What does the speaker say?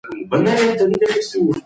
دا پروسه ثبت کېږي.